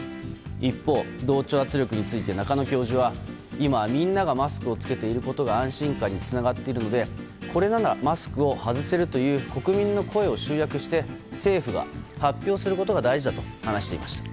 一方、同調圧力について中野教授は、今、みんながマスクを着けていることが安心感につながっているのでこれならマスクを外せるという国民の声を集約して政府が発表することが大事だと話していました。